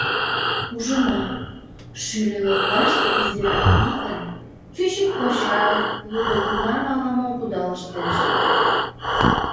Ужына: шӱльӧ лоҥгаште изирак пий гай, кӱчык почан, лудо пунан ала-мо кудалыштеш.